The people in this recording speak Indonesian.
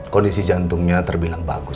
kondisi jantungnya terbilang bagus